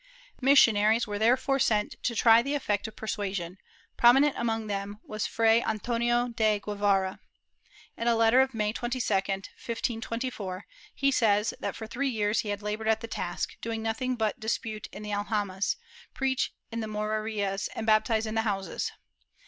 ^ Missionaries were therefore sent to try the effect of persua sion, prominent among whom was Fray Antonio de Guevara. In a letter of May 22, 1524, he says that for three years he had labored at the task, doing nothing but dispute in the al jamas, preach in the Morerias and baptize in the houses.